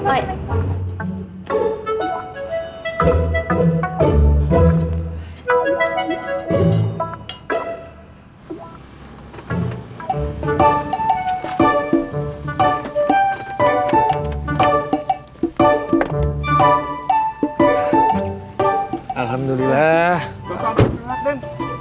bapak apa terlalu terlalu den